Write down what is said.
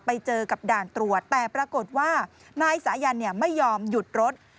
ไปเจอกับด่านตรวจแต่ปรากฏว่านายสายันไม่ยอมหยุดรถ